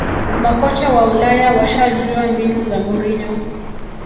makocha wa ulaya washajua mbinu za mourinho